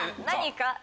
何か！